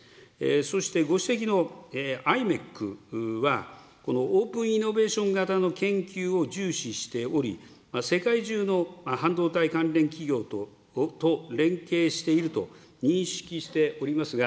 そしてご指摘のｉｍｅｃは、このオープンイノベーション型の研究を重視しており、世界中の半導体関連企業と連携していると認識しておりますが、